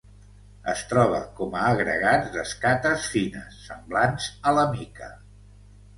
Es troba com a agregats d'escates fines, semblants a la mica.